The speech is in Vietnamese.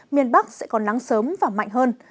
miền bắc sẽ còn nắng sớm và mạnh hơn